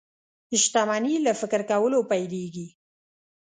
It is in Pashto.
شتمني له فکر کولو پيلېږي.